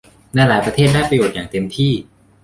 ในหลายประเทศได้ประโยชน์อย่างเต็มที่